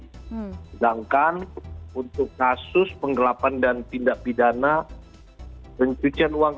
sedangkan untuk kasus penggelapan dan tindak pidana pencucian uang